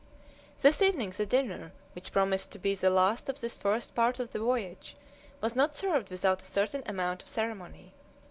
This evening the dinner, which promised to be the last of this first part of the voyage, was not served without a certain amount of ceremony.